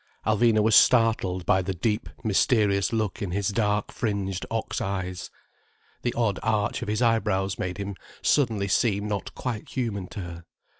Alvina was startled by the deep, mysterious look in his dark fringed ox eyes. The odd arch of his eyebrows made him suddenly seem not quite human to her.